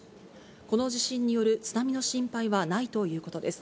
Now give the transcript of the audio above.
この地震による津波の心配はないということです。